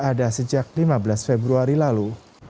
ada sejak lima belas februari lalu